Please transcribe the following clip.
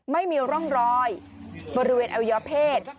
ไม่มีร่องรอยบริเวณอายุเงาเผต